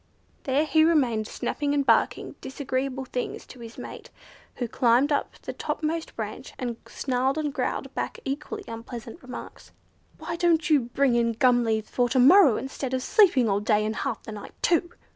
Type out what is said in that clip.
There he remained snapping and barking disagreeable things to his mate, who climbed up to the topmost branch, and snarled and growled back equally unpleasant remarks. "Why don't you bring in gum leaves for to morrow, instead of sleeping all day and half the night too?"